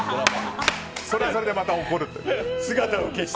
それはそれで、また怒ると。